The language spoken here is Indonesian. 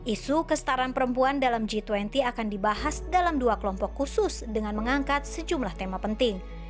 isu kestaraan perempuan dalam g dua puluh akan dibahas dalam dua kelompok khusus dengan mengangkat sejumlah tema penting